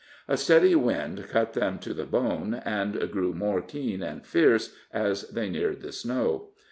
A steady wind cut them to the bone, and grew more keen and fierce as they neared the snow.